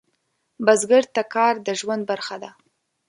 بزګر ته کار د ژوند برخه ده